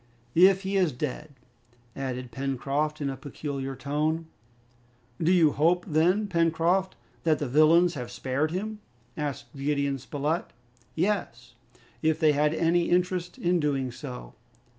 "If he is dead," added Pencroft, in a peculiar tone. "Do you hope, then, Pencroft, that the villains have spared him?" asked Gideon Spilett. "Yes, if they had any interest in doing so."